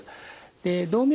動脈。